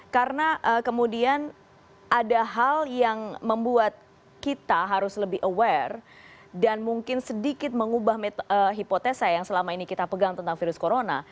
karena kemudian ada hal yang membuat kita harus lebih aware dan mungkin sedikit mengubah hipotesa yang selama ini kita pegang tentang virus corona